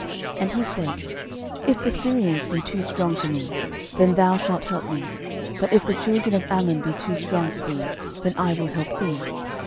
13:019:012 And he said, If the Syrians be too strong for me, then thou shalt help me: but if the children of Ammon be too strong for thee, then I will help thee.